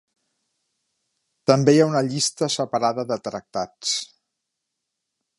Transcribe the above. També hi ha una llista separada de tractats.